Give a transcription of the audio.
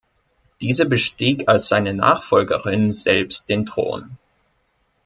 Diese bestieg als seine Nachfolgerin selbst den Thron.